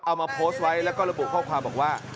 เอามาโพสต์ไว้แล้วก็ระบุข้อความบอกว่า